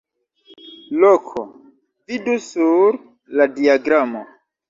Loko: vidu sur la diagramo.